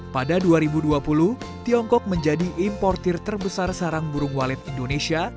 pada dua ribu dua puluh tiongkok menjadi importir terbesar sarang burung walet indonesia